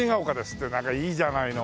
ってなんかいいじゃないの。